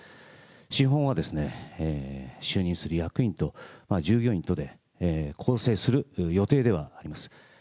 資本は就任する役員と従業員とで構成する予定ではあります。